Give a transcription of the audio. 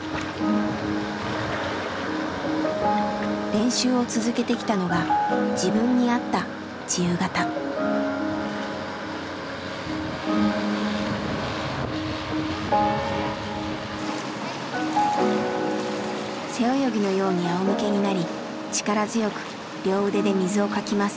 練習を続けてきたのが背泳ぎのようにあおむけになり力強く両腕で水をかきます。